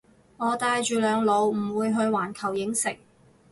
我帶住兩老唔會去環球影城